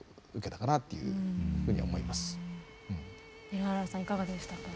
平原さんいかがでしたか？